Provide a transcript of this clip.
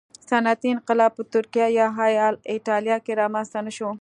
صنعتي انقلاب په ترکیه یا اېټالیا کې رامنځته نه شو